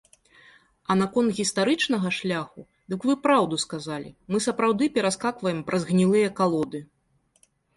А наконт гістарычнага шляху, дык вы праўду сказалі, мы сапраўды пераскакваем праз гнілыя калоды.